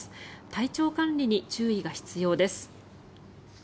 体調管理に注意が必要です。